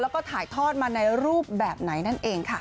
แล้วก็ถ่ายทอดมาในรูปแบบไหนนั่นเองค่ะ